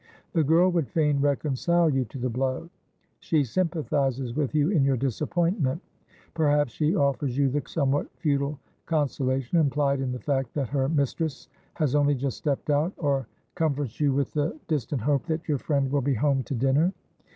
The girl would fain reconcile you to the blow ; she sym pathises with you in your disappointment. Perhaps she offers you the somewhat futile consolation implied in the fact that her mistress has only just stepped out, or comforts you with the dis tant hope that your friend will be home to dinner.